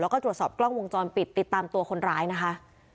แล้วก็ตรวจสอบกล้องวงจรปิดติดตามตัวคนร้ายนะคะ